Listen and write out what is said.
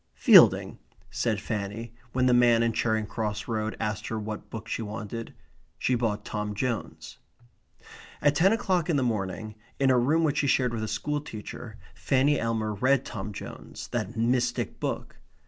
"Fielding," said Fanny, when the man in Charing Cross Road asked her what book she wanted. She bought Tom Jones. At ten o'clock in the morning, in a room which she shared with a school teacher, Fanny Elmer read Tom Jones that mystic book.